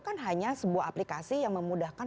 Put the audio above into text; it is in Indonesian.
kan hanya sebuah aplikasi yang memudahkan